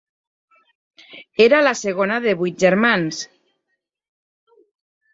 Era la segona de vuit germans.